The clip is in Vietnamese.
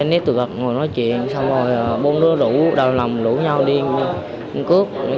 nít tự vật ngồi nói chuyện xong rồi bốn đứa đều nằm lũ nhau đi cướp kiếm tiền tiêu xài